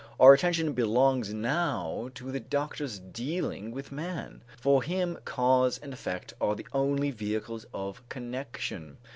Our attention belongs now to the doctor's dealing with man; for him cause and effect are the only vehicles of connection.